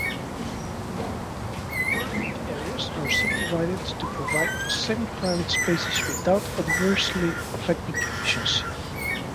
Berthing areas are subdivided to provide semi-private spaces without adversely affecting efficiency.